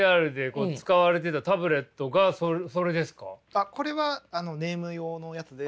あっこれはネーム用のやつで。